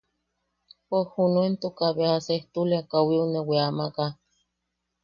Pues junuentuka, beja sejtulia, kawiu ne weamaka.